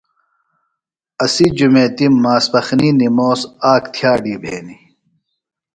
اسی جُمیتیۡ ماسپخنی نِموس آک تھئاڈی بھینیۡ۔